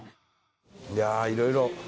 いやいろいろ。